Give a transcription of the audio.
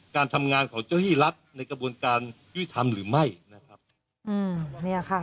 การทำงานของเจ้าที่รัฐในกระบวนการยุติธรรมหรือไม่นะครับอืมเนี่ยค่ะ